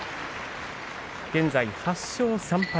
現在８勝３敗。